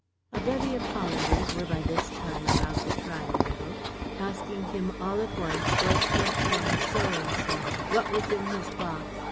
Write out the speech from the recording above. A bevy of Hollanders were by this time about the triangle, asking him all at once Was he from so and so, What was in his box.